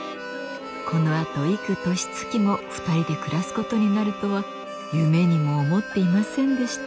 このあと幾年月も２人で暮らすことになるとは夢にも思っていませんでした